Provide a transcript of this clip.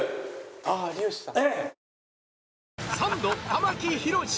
ああ有吉さん。